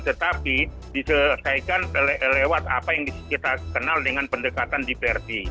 tetapi diselesaikan lewat apa yang kita kenal dengan pendekatan diperti